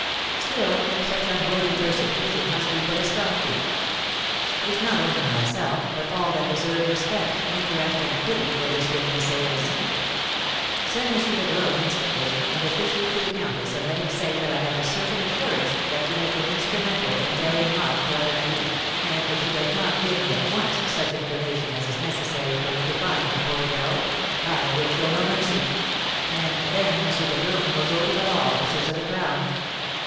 Still, such unworthy persecution must be put a stop to. It is not only myself, but all that deserve respect, interest, and pity, that this woman assails. Send M. de Graün instantly and officially to the countess and let him say that I have the certain assurance that she has been instrumental in carrying off Fleur de Marie, and if she does not give me at once such information as is necessary for me to find the poor girl, I will show no mercy; and then M. de Graün will go to the law officers of the crown."